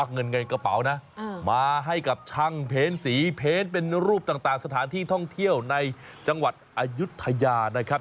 เงินเงินกระเป๋านะมาให้กับช่างเพ้นสีเพ้นเป็นรูปต่างสถานที่ท่องเที่ยวในจังหวัดอายุทยานะครับ